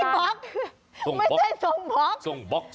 ไม่ใช่ทรงบ๊อก